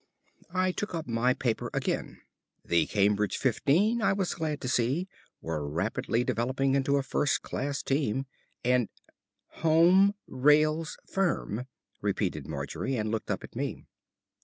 I took up my paper again. The Cambridge fifteen I was glad to see, were rapidly developing into a first class team, and "'Home Rails Firm,'" repeated Margery, and looked up at me.